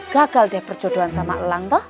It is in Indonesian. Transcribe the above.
gagal deh perjodohan sama elang toh